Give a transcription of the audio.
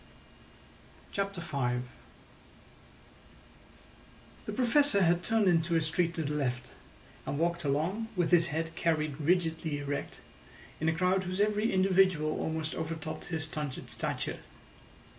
CHAPTER V The Professor had turned into a street to the left, and walked along, with his head carried rigidly erect, in a crowd whose every individual almost overtopped his stunted stature.